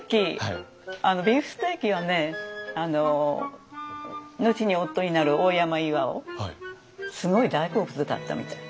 ビーフステーキをね後に夫になる大山巌すごい大好物だったみたい。